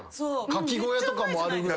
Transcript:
牡蠣小屋とかもあるぐらい。